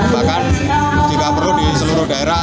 bahkan jika perlu di seluruh daerah